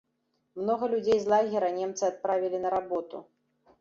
Многа людзей з лагера немцы адправілі на работу.